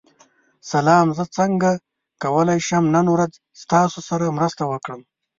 سلام، زه څنګه کولی شم نن ورځ ستاسو سره مرسته وکړم؟